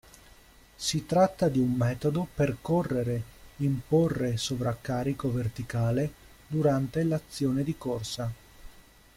Si tratta di un metodo per correre imporre sovraccarico verticale durante l'azione di corsa.